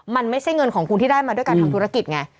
มันไม่ใช่เงินของคุณที่ได้มาด้วยการทำธุรกิจไง